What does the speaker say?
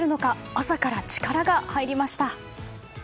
朝から力が入りました。